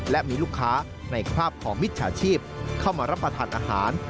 และมีลูกค้าในคราบของมิจฉาชีพเข้ามารับประทานอาหาร